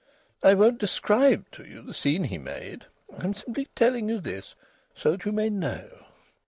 I won't describe to you the scene he made. I'm simply telling you this, so that you may know.